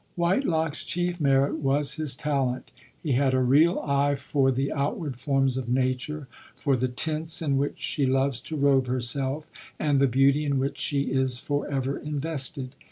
White lock's chief merit was his talent ; he had a real eye for the outward forms of nature, for the tints in which she loves to robe herself, and the beauty in which she is for ever invested.